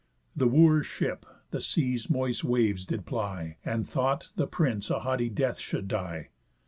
The Wooers' ship the sea's moist waves did ply, And thought the prince a haughty death should die.